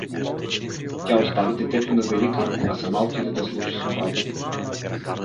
Тя остави детето на Велика, а сама отиде да сложи софрата.